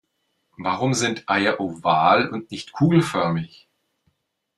Warum sind Eier oval und nicht kugelförmig?